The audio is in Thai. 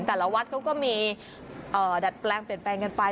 แต่ละวัดเขาก็มีดัดแปลงเปลี่ยนแปลงกันไป